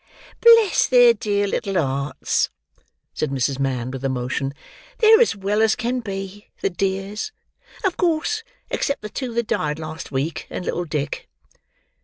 "Bless their dear little hearts!" said Mrs. Mann with emotion, "they're as well as can be, the dears! Of course, except the two that died last week. And little Dick."